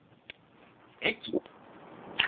「駅」。